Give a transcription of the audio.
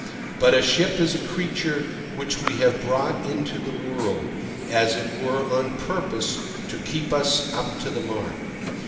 But a ship is a creature which we have brought into the world, as it were on purpose to keep us up to the mark.